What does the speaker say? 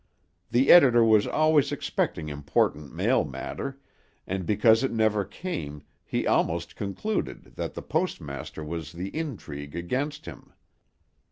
The editor was always expecting important mail matter, and because it never came he almost concluded that the postmaster was in the intrigue against him.